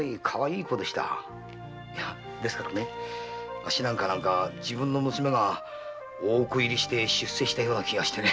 あっしなんか自分の娘が大奥入りして出世したような気がして。